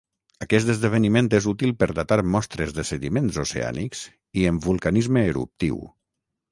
Aquest esdeveniment és útil per datar mostres de sediments oceànics i en vulcanisme eruptiu.